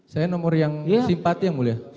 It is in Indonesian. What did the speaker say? saya nomor yang simpati yang mulia